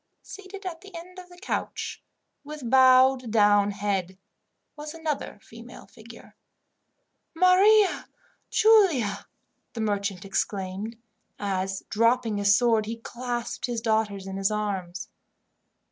Seated at the end of the couch, with bowed down head, was another female figure. "Maria Giulia!" the merchant exclaimed, as, dropping his sword, he clasped his daughters in his arms.